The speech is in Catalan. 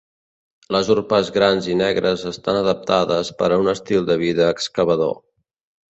Les urpes grans i negres estan adaptades per a un estil de vida excavador.